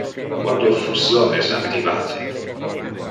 Quando fusion es activate.